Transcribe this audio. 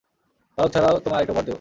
পালক ছাড়াও তোমায় আরেকটা উপহার দেব।